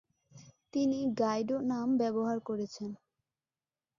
তিনি "গাইডো" নাম ব্যবহার করেছেন।